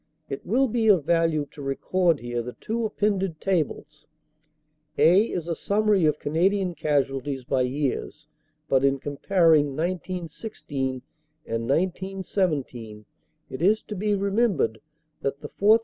It will be of value to record here the two appended tables. "A" is a summary of Canadian casualties by years, but in comparing 1916 and 1917 it is to be remembered that the 4th.